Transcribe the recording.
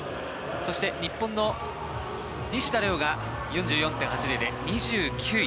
そして、日本の西田玲雄が４４．８０で２９位。